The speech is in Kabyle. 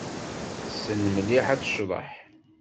Tessen mliḥ ad tecḍeḥ.